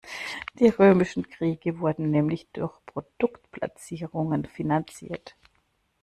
Die römischen Kriege wurden nämlich durch Produktplatzierungen finanziert.